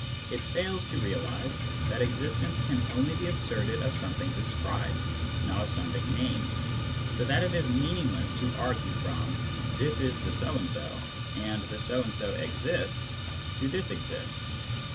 it fails to realise that existence can only be asserted of something described, not of something named, so that it is meaningless to argue from " this is the so and so " and " the so and so exists " to " this exists."